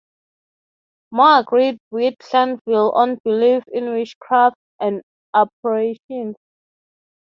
More agreed with Glanvill on belief in witchcraft and apparitions.